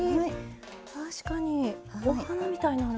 確かにお花みたいになる。